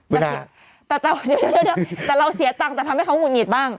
ห้าแต่เราเสียตังค์แต่ทำให้เขาหงุดหงิดบ้าง